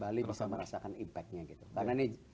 bali bisa merasakan impactnya gitu karena ini